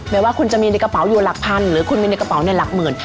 ว่าคุณจะมีในกระเป๋าอยู่หลักพันหรือคุณมีในกระเป๋าในหลักหมื่น